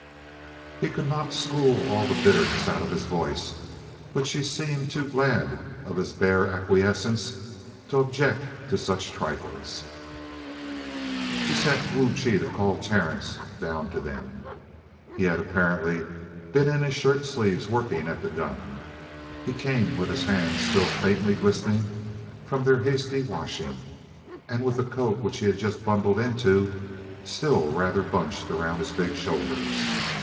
He could not school all the bitterness out of his voice, but she seemed too glad of his bare acquiescence to object to such trifles. She sent Wu Chi to call Terence down to them. He had apparently been in his shirt sleeves working at the gun. He came with his hands still faintly glistening from their hasty washing, and with the coat which he had just bundled into still rather bunched around his big shoulders.